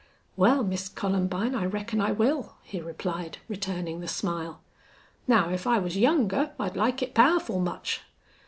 "Well, Miss Columbine, I reckon I will," he replied, returning the smile. "Now if I was younger I'd like it powerful much."